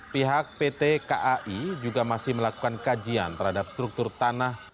pihak pt kai juga masih melakukan kajian terhadap struktur tanah